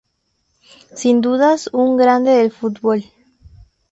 Sin dudas un Grande del Futbol.